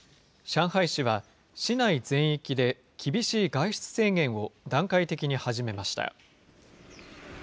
上海市は、市内全域で厳しい外出制限を段階的に始めました。